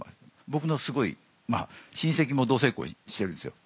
僕のすごい親戚も同性婚してるんですよ。